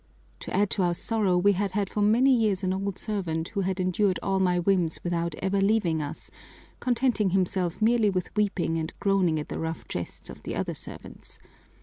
To add to our sorrow, we had had for many years an old servant who had endured all my whims without ever leaving us, contenting himself merely with weeping and groaning at the rough jests of the other servants.